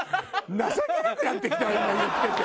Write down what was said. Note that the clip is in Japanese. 情けなくなってきたわ今言ってて。